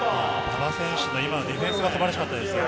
馬場選手の今のディフェンスが素晴らしかったですね。